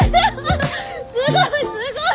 すごいすごい！